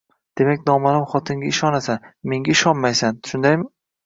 Demak, noma'lum xotinga ishonasan, menga ishonmaysan, shundaymn?